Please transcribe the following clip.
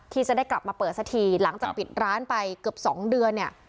ที่จะได้กลับมาเปิดสักทีหลังจากปิดร้านไปเกือบสองเดือนเนี่ย